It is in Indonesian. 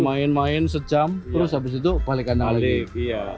main main sejam terus habis itu balikkan alih iya